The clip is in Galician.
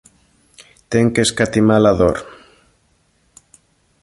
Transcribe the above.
Ten que escatima-la dor.